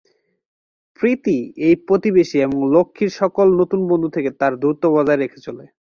পৃথ্বী এই প্রতিবেশী এবং লক্ষ্মীর সকল নতুন বন্ধু থেকে তার দূরত্ব বজায় রেখে চলে।